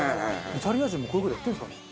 イタリア人もこういう事やってるんですかね？